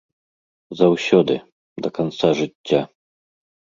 Заўсёды, да канца жыцця!